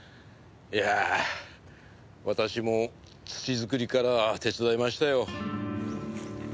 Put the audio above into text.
いや私も土作りから手伝いましたよ。